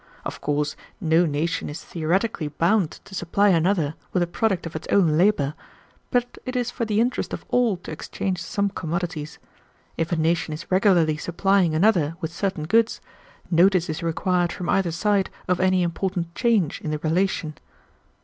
Of course no nation is theoretically bound to supply another with the product of its own labor, but it is for the interest of all to exchange some commodities. If a nation is regularly supplying another with certain goods, notice is required from either side of any important change in the relation."